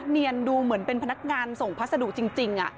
เนียนดูเหมือนเป็นพนักงานส่งพัสดุจริง